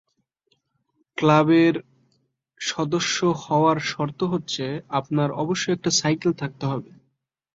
ক্লাবের সদস্য হওয়ার শর্ত হচ্ছে আপনার অবশ্যই একটি সাইকেল থাকতে হবে।